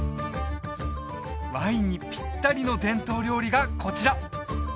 ワインにピッタリの伝統料理がこちら！